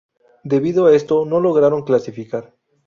Debido a esto, no lograron clasificar.